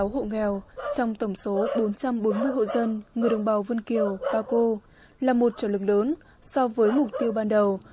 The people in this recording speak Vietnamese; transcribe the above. một mươi năm sáu hộ nghèo trong tổng số bốn trăm bốn mươi hộ dân người đồng bào vân kiều ba cô là một trợ lực lớn so với mục tiêu ban đầu